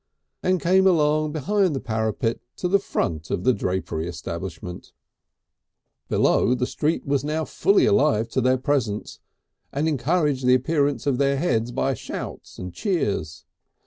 and came along behind the parapet to the front of the drapery establishment. Below, the street was now fully alive to their presence, and encouraged the appearance of their heads by shouts and cheers.